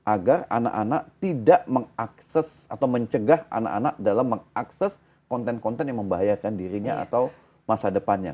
agar anak anak tidak mengakses atau mencegah anak anak dalam mengakses konten konten yang membahayakan dirinya atau masa depannya